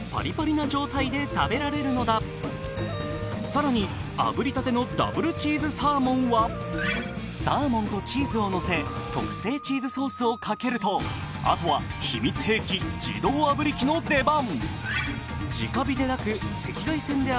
さらに炙りたてのＷチーズサーモンはサーモンとチーズをのせ特製チーズソースをかけるとあとは秘密兵器自動炙り機の出番